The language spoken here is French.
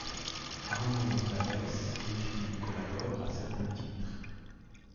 Armand Gonzalez écrit ou collabore à certains titres.